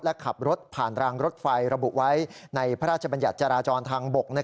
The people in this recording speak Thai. และขับรถผ่านรางรถไฟระบุไว้ในพระราชบัญญัติจราจรทางบก